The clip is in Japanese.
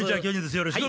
よろしく。